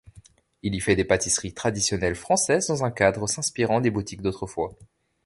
Il y fait des pâtisseries traditionnelles françaises dans un cadre s'inspirant des boutiques d'autrefois.